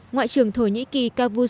ngoại trưởng thổ nhĩ kỳ kavus